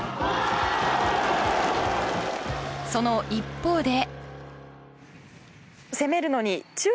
その一方で。